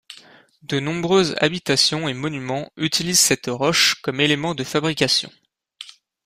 De nombreuses habitations et monuments utilisent cette roche comme élément de fabrication.